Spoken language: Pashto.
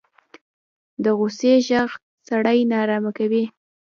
د غوسې غږ سړی نارامه کوي